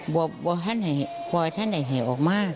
บอกพ่อท่านให้เห็นออกมา